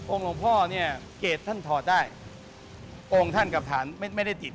โอกหลวงพ่อเนี้ยเกรต้นถอดได้โอกท่านกับฐานไม่ไม่ได้ติดกัน